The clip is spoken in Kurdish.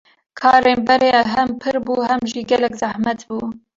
Karên berê hêm pir bû hêm jî gelek bi zehmet bû.